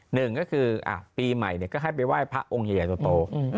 หนึ่งก็คือปีใหม่ก็ให้ไปไหว้พระองค์ใหญ่โต